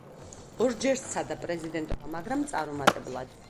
ორჯერ სცადა პრეზიდენტობა, მაგრამ წარუმატებლად.